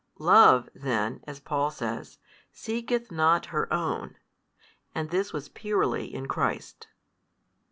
Love then, as Paul says, seeketh not her own, and this was purely in Christ.